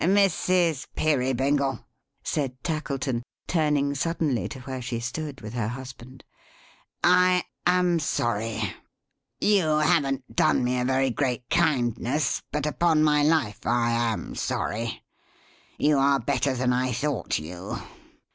"Mrs. Peerybingle," said Tackleton, turning suddenly to where she stood with her husband; "I am sorry. You haven't done me a very great kindness, but upon my life I am sorry. You are better than I thought you.